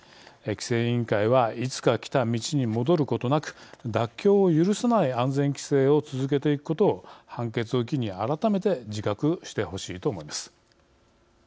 規制委員会はいつか来た道に戻ることなく妥協を許さない安全規制を続けていくことを判決を機に改めて自覚してほしいと思います。